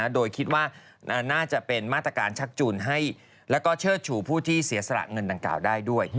โดยคิดว่าน่าจะเป็นมาตรการชักจูนให้แล้วก็เชิดชูผู้ที่เสียสละเงินดังกล่าวได้ด้วย